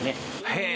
へえ。